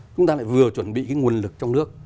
chúng ta lại vừa chuẩn bị cái nguồn lực trong nước